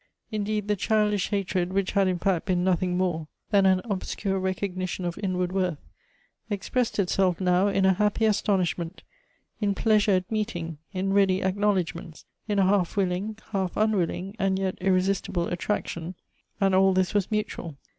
Indeed the childish hatred, which had in fact been nothing more than an obscure 254 Goethe's recognition of inward worth, expressed itself now in a happy astonishment, in pleasure at meeting, in ready acknowledgments, in a half willing, half unwilling, and yet irresistible attraction ; and all this was mutual.